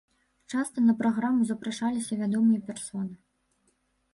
Часта на праграму запрашаліся вядомы персоны.